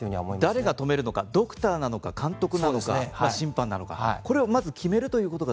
誰が止めるのかドクターなのか監督なのかこれまず決めるということが。